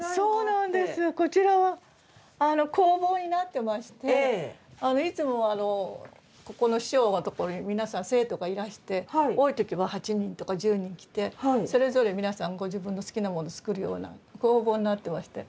こちらは工房になってましていつもはここの師匠のところに皆さん生徒がいらして多い時は８人とか１０人来てそれぞれ皆さんご自分の好きなものを作るような工房になってまして。